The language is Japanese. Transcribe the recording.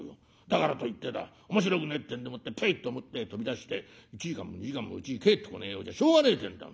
だからといってだ面白くねえってんでもってぷいと表へ飛び出して１時間も２時間もうちに帰ってこねえようじゃしょうがねえってんだ